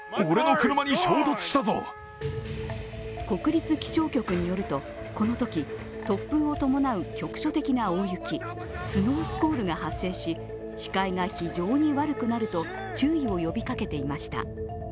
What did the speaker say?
国立気象局によると、このとき、突風を伴う局所的な大雪、スノースコールが発生し視界が非常に悪くなると注意を呼びかけていました。